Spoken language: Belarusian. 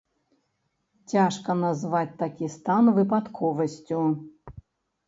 Цяжка назваць такі стан выпадковасцю.